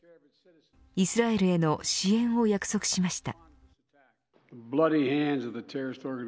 イスラエルへの支援を約束しました。